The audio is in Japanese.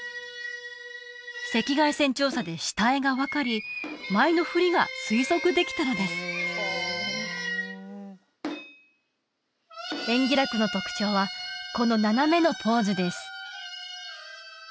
赤外線調査で下絵が分かり舞の振りが推測できたのです延喜楽の特徴はこの斜めのポーズです